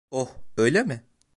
Oh, öyle mi?